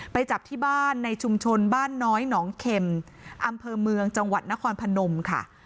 ไปจับที่บ้านในชุมชนบ้านน้อยหนองเข็มอำเภอเมืองจังหวัดนครพนมค่ะ